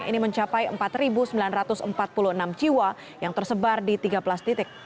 ini mencapai empat sembilan ratus empat puluh enam jiwa yang tersebar di tiga belas titik